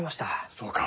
そうか。